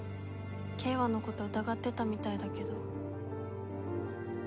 景和のこと疑ってたみたいだけど。